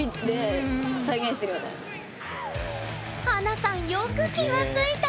華さんよく気が付いた！